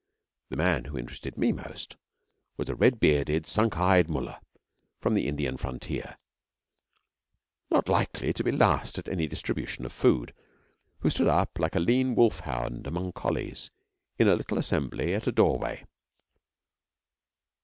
The man who interested me most was a red bearded, sunk eyed mullah from the Indian frontier, not likely to be last at any distribution of food, who stood up like a lean wolfhound among collies in a little assembly at a doorway.